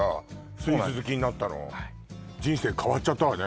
スイーツ好きになったの人生変わっちゃったわね